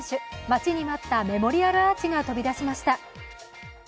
待ちに待ったメモリアルアーチが飛び出しました。